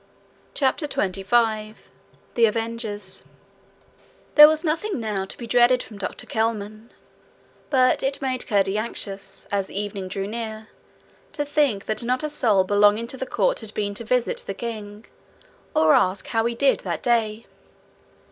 CHAPTER 25 The Avengers There was nothing now to be dreaded from Dr Kelman, but it made Curdie anxious, as the evening drew near, to think that not a soul belonging to the court had been to visit the king, or ask how he did, that day.